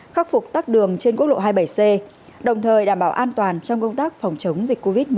khắc phục tắt đường trên quốc lộ hai mươi bảy c đồng thời đảm bảo an toàn trong công tác phòng chống dịch covid một mươi chín